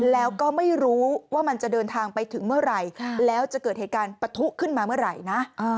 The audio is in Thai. แล้วก็ไม่รู้ว่ามันจะเดินทางไปถึงเมื่อไหร่แล้วจะเกิดเหตุการณ์ปะทุขึ้นมาเมื่อไหร่นะ